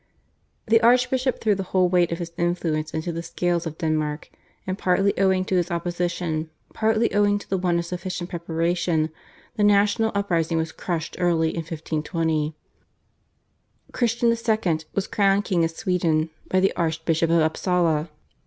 The archbishop threw the whole weight of his influence into the scales of Denmark, and partly owing to his opposition, partly owing to the want of sufficient preparation the national uprising was crushed early in 1520. Christian II. was crowned King of Sweden by the Archbishop of Upsala.